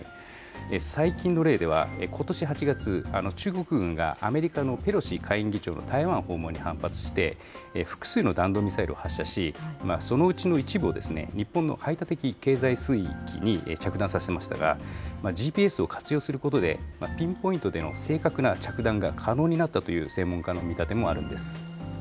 最近の例では、ことし８月、中国軍がアメリカのペロシ下院議員の台湾訪問に反発して、複数の弾道ミサイルを発射し、そのうちの一部を日本の排他的経済水域に着弾させましたが、ＧＰＳを活用することで、ピンポイントでの正確な着弾が可能になったという専門家の見立てもあるんです。